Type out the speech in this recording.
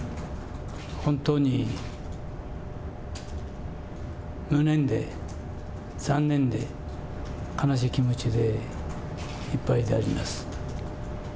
本当に無念で、残念で、悲しい気持ちでいっぱいであります。